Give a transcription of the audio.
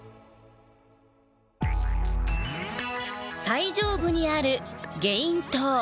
最上部にあるゲイン塔。